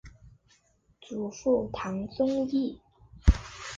祖父汤宗义。